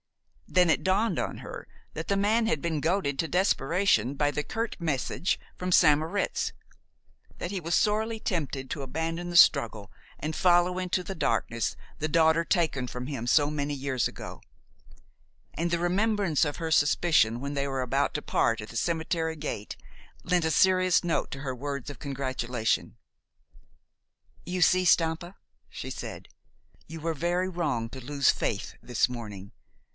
Then it dawned on her that the man had been goaded to desperation by the curt message from St. Moritz, that he was sorely tempted to abandon the struggle, and follow into the darkness the daughter taken from him so many years ago, and the remembrance of her suspicion when they were about to part at the cemetery gate lent a serious note to her words of congratulation. "You see, Stampa," she said, "you were very wrong to lose faith this morning.